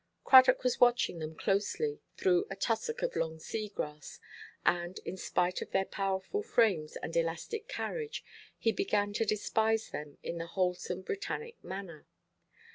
Cradock was watching them closely, through a tussock of long sea–grass, and, in spite of their powerful frames and elastic carriage, he began to despise them in the wholesale Britannic manner.